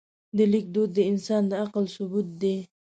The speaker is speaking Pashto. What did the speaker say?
د لیک دود د انسان د عقل ثبوت دی.